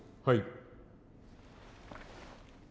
はい。